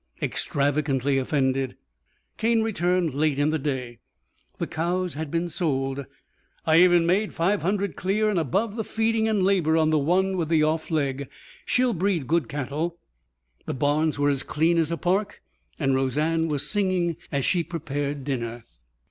"Extravagantly offended." Cane returned late in the day. The cows had been sold "I even made five hundred clear and above the feeding and labour on the one with the off leg. She'll breed good cattle." The barns were as clean as a park, and Roseanne was singing as she prepared dinner.